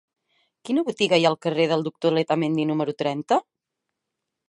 Quina botiga hi ha al carrer del Doctor Letamendi número trenta?